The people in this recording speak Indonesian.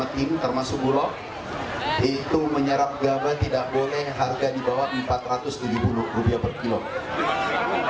tim termasuk bulog itu menyerap gabah tidak boleh harga di bawah rp empat ratus tujuh puluh per kilo